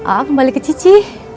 a'at kembali ke cici